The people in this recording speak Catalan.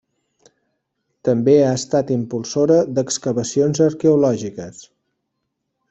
També ha estat impulsora d'excavacions arqueològiques.